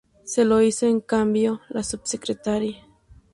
Sí lo hizo, en cambio, la subsecretaría.